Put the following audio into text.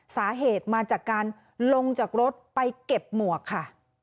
สาเหตุมาจากการลงจากรถไปเก็บหมวกค่ะ